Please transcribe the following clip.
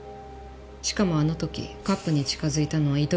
しかもあの時カップに近づいたのは糸切だけ。